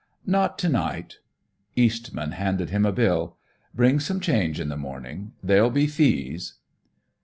"Not to night." Eastman handed him a bill. "Bring some change in the morning. There'll be fees."